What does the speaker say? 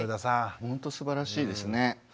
ほんとすばらしいですね。